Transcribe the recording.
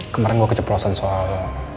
kemarin gue keceprosan soal